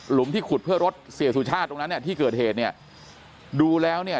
ที่ขุดเพื่อรถเสียสุชาติตรงนั้นเนี่ยที่เกิดเหตุเนี่ยดูแล้วเนี่ย